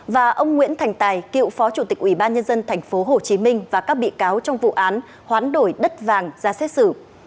và ông nguyễn thành tài cựu phó chủ tịch ủy ban nhân dân tp hcm và các bị cáo trong vụ án hoán đổi đất vàng ra xét xử